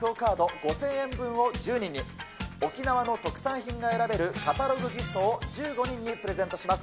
５０００円分を１０人に、沖縄の特産品が選べるカタログギフトを１５人にプレゼントします。